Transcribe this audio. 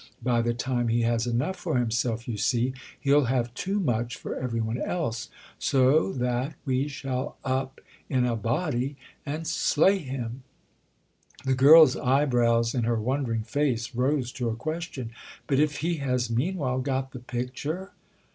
By the time he has enough for himself, you see, he'll have too much for every one else—so that we shall 'up' in a body and slay him." The girl's eyebrows, in her wondering face, rose to a question. "But if he has meanwhile got the picture?"